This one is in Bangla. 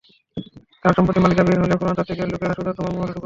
কারণ সম্পত্তি মালিকবিহীন হলে, পুরাতাত্ত্বিক এর লোকেরা সোজা, তোমার মহলে ঢুকে পড়বে।